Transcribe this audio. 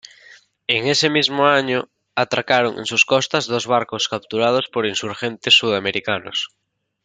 En ese mismo año atracaron en sus costas dos barcos capturados por insurgentes sudamericanos.